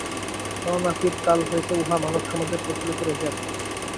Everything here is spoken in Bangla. স্মরণাতীত কাল হইতে উহা মানবসমাজে প্রচলিত রহিয়াছে।